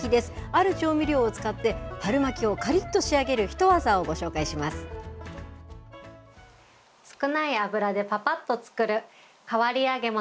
ある調味料を使って、春巻をかりっと仕上げるヒトワザをご紹介します。